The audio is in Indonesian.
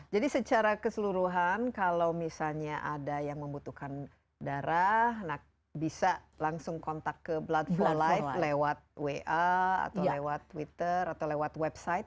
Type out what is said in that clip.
jadi secara keseluruhan kalau misalnya ada yang membutuhkan darah bisa langsung kontak ke blood for life lewat wa atau lewat twitter atau lewat website